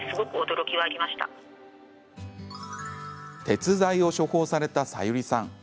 鉄剤を処方されたサユリさん。